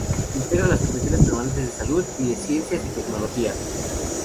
Integra las comisiones permanentes de Salud; y de Ciencias y Tecnología.